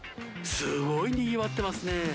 すごいにぎわってますね。